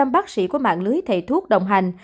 một năm trăm linh bác sĩ của mạng lưới thầy thuốc đồng hành